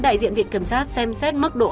đại diện viện kiểm sát xem xét mức độ